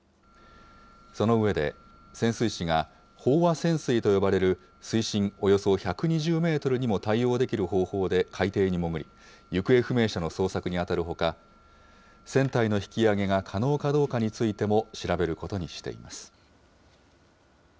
その上で、潜水士が飽和潜水と呼ばれる水深およそ１２０メートルにも対応できる方法で海底に潜り、行方不明者の捜索に当たるほか、船体の引き揚げが可能かどうかについても調べることにしています。